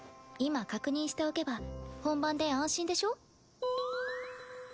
今確認しておけば本番で安心でしょ。